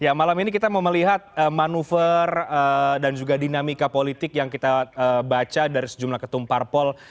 ya malam ini kita mau melihat manuver dan juga dinamika politik yang kita baca dari sejumlah ketum parpol